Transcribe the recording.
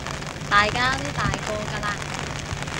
大家都大個㗎喇